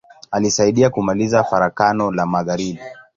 Alisaidia kumaliza Farakano la magharibi.